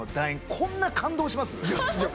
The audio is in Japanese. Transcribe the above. こんな感動します？